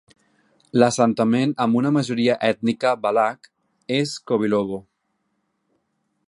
L'assentament amb una majoria ètnica valac és Kovilovo.